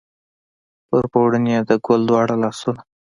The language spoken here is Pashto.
پر پوړني یې د ګل دواړه لاسونه